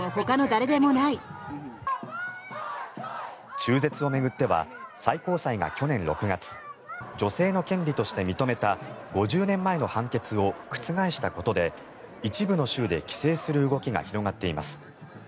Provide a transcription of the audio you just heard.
中絶を巡っては最高裁が去年６月女性の権利として認めた５０年前の判決を覆したことで一部の州で規制する動きが広がっています。